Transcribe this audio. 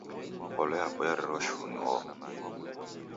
Ngolo yapo yarirwa shuu n'oho